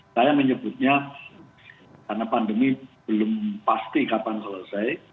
saya menyebutnya karena pandemi belum pasti kapan selesai